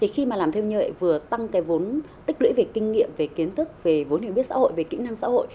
khi mà làm thêm như vậy vừa tăng cái vốn tích lũy về kinh nghiệm về kiến thức về vốn điều biết xã hội về kỹ năng xã hội